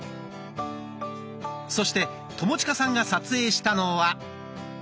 そして友近さんが撮影したのは。